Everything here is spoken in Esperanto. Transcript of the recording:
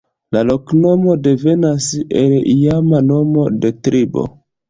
La loknomo devenas el iama nomo de tribo.